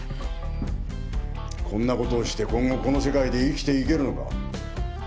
こんなことをして今後この世界で生きていけるのか？